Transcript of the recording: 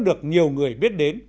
được nhiều người biết đến